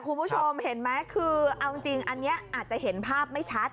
คุณผู้ชมเห็นไหมคือเอาจริงอันนี้อาจจะเห็นภาพไม่ชัด